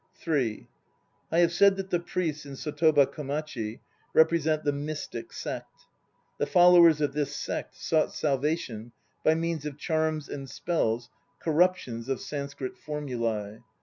(3) I have said that the priests in Sotoba Komachi represent the Mystic Sect. The followers of this sect sought salvation by means of charms and spells, corruptions of Sanskrit formulae.